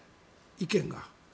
意見が。